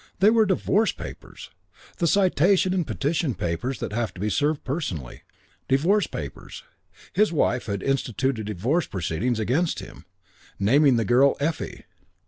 They were divorce papers. The citation and petition papers that have to be served personally. Divorce papers. His wife had instituted divorce proceedings against him. Naming the girl, Effie.